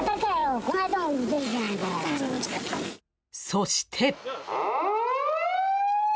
［そして］